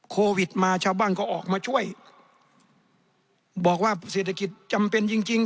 โควิดมาชาวบ้านก็ออกมาช่วยบอกว่าเศรษฐกิจจำเป็นจริงจริง